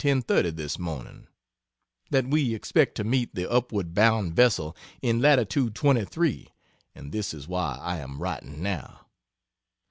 30 this morning that we expect to meet the upward bound vessel in Latitude 23, and this is why I am writing now.